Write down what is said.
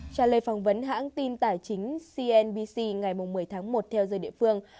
trả lời phỏng vấn hãng tin tài chính cnbc ngày một mươi tháng một theo giờ địa phương